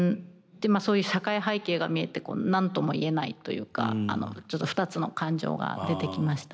そういう社会背景が見えて何とも言えないというかちょっと２つの感情が出てきました。